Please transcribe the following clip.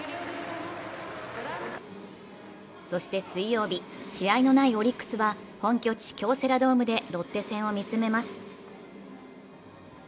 そして水曜日、試合のないオリックスは本拠地・京セラドームでロッテ戦を見つめます。